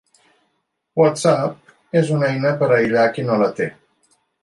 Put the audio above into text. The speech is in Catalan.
WhatsApp és una eina per aïllar qui no la té.